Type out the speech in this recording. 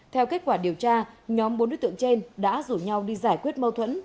theo kết quả điều tra nhóm bốn đối tượng trên đã rủ nhau đi giải quyết mâu thuẫn